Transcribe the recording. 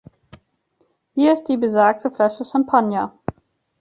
Hier ist die besagte Flasche Champagner.